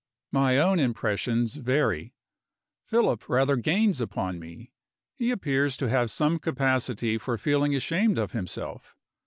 My own impressions vary. Philip rather gains upon me; he appears to have some capacity for feeling ashamed of himself.